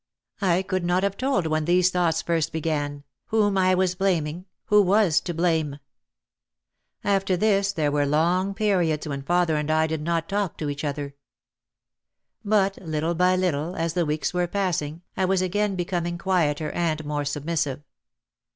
I could not have told when these thoughts first began, whom I was blaming, who was to blame ! After this there were long periods when father and I did not talk to each other. OUT OF THE SHADOW 255 But little by little as the weeks were passing I was again becoming quieter and more submissive.